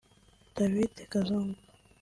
David Kazungu